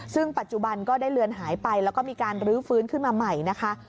ซึ่งปัจจุบันก็ได้เลือนหายไปแล้วก็มีการรื้อฟื้นขึ้นมาใหม่นะคะ